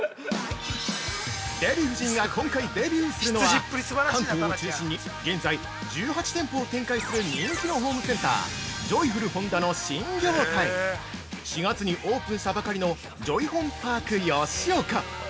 ◆デヴィ夫人が今回デビューするのは関東を中心に現在１８店舗を展開する人気のホームセンタージョイフル本田の新業態４月にオープンしたばかりのジョイホンパーク吉岡。